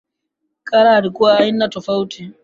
Carla alikuwa aina tofauti